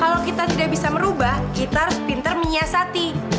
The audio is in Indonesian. kalau kita tidak bisa merubah kita harus pinter menyiasati